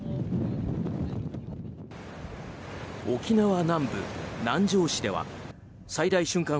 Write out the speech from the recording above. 沖縄南部、南城市では最大瞬間